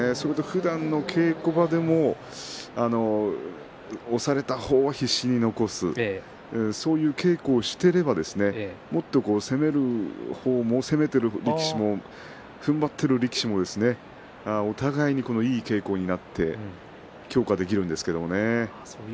ふだんの稽古場でも押された方は必死に残すそういう稽古をしていればもっと攻める方も攻めている力士もふんばっている力士もお互いにいい稽古になって強化できるんですけれど。